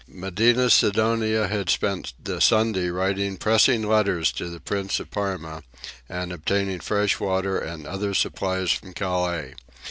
Medina Sidonia had spent the Sunday writing pressing letters to the Prince of Parma, and obtaining fresh water and other supplies from Calais.